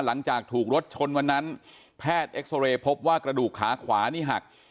หลังจากถูกรถชนวันนั้นแพทย์เอ็กซอเรย์พบว่ากระดูกขาขวานี่หัก